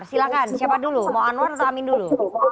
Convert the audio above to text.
silahkan siapa dulu mau anwar atau amin dulu